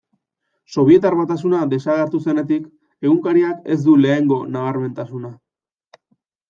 Sobietar Batasuna desagertu zenetik, egunkariak ez du lehengo nabarmentasuna.